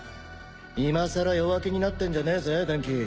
今更弱気になってんじゃねえぜデンキ。